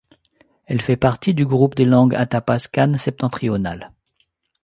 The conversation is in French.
Elle fait partie du groupe des langues athapascanes septentrionales.